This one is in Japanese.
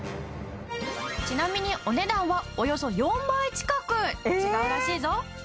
ちなみにお値段はおよそ４倍近く違うらしいぞ。